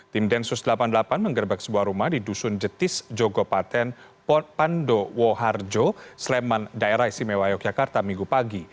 tim densus delapan puluh delapan menggerbek sebuah rumah di dusun jetis jogopaten pandowoharjo sleman daerah istimewa yogyakarta minggu pagi